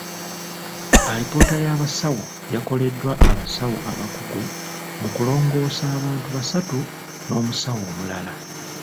Alipoota y’abasawo yakoleddwa abasawo abakugu mu kulongoosa abantu basatu n'omusawo omulala.